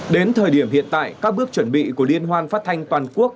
đến thời điểm hiện tại các bước chuẩn bị của liên hoan phát thanh toàn quốc